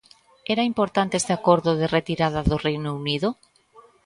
¿Era importante este acordo de retirada do Reino Unido?